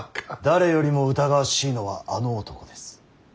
誰よりも疑わしいのはあの男です。